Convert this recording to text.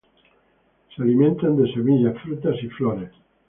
Se alimentan de semillas, frutas y flores.